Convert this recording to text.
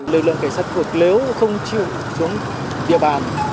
lực lượng cảnh sát thuộc nếu không chịu xuống địa bàn